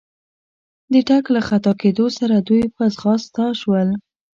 د ټک له خطا کېدو سره دوی په ځغستا شول.